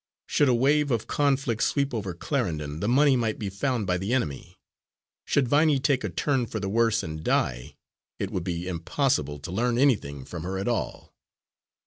Should a wave of conflict sweep over Clarendon, the money might be found by the enemy. Should Viney take a turn for the worse and die, it would be impossible to learn anything from her at all.